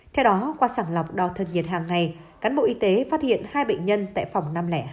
theo đó qua sảng lọc đo thân nhiệt hàng ngày cán bộ y tế phát hiện hai bệnh nhân tại phòng năm trăm linh hai